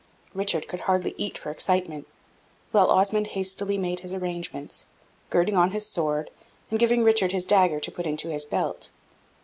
Richard could hardly eat for excitement, while Osmond hastily made his arrangements, girding on his sword, and giving Richard his dagger to put into his belt.